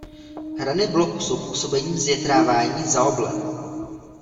Hrany bloku jsou působením zvětrávání zaoblené.